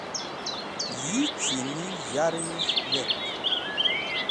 Yi chini zharzhes̃h dhet.